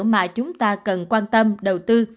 mà chúng ta cần quan tâm đầu tư